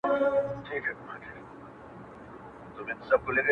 معاش مو یو برابره مو حِصه ده,